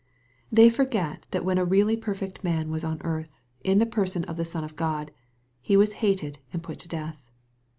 They forget that when a really perfect man was on earth, in the person of the Son of God, He was hated and put to death.